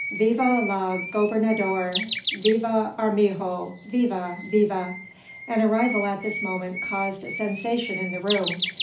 '" "Viva el Gobernador! Viva Armijo! Viva! viva!" An arrival at this moment caused a sensation in the room.